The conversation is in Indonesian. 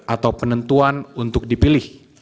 atau penentuan untuk dipilih